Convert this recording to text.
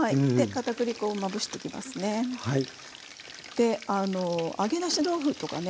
で揚げ出し豆腐とかね